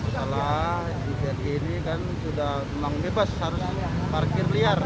salah di tni ini kan sudah memang bebas harus parkir liar